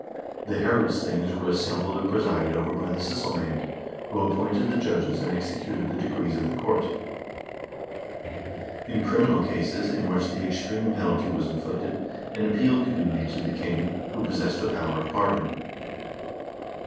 The herredsthings were assembled and presided over by the sysselmand, who appointed the judges and executed the decrees of the court. In criminal cases in which the extreme penalty was inflicted, an appeal could be made to the king, who possessed the power of pardon.